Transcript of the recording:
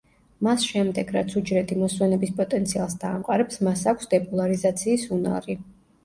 მას შემდეგ, რაც უჯრედი მოსვენების პოტენციალს დაამყარებს, მას აქვს დეპოლარიზაციის უნარი.